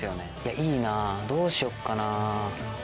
いいなぁどうしよっかな。